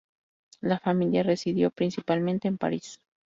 La familia residió principalmente en París.